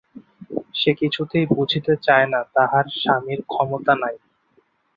সে কিছুতেই বুঝিতে চায় না তাহার স্বামীর ক্ষমতা নাই।